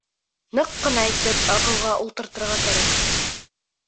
Ныҡ ҡына итеп аҡылға ултыртырға кәрәк.